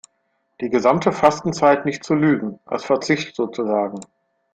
Die gesamte Fastenzeit nicht zu lügen, als Verzicht sozusagen.